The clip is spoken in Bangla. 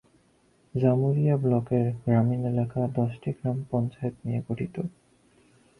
জামুরিয়া ব্লকের গ্রামীণ এলাকা দশটি গ্রাম পঞ্চায়েত নিয়ে গঠিত।